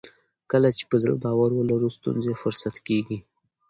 کله چې په زړه باور ولرو ستونزې فرصت کیږي.